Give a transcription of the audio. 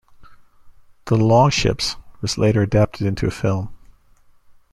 "The Long Ships" was later adapted into a film.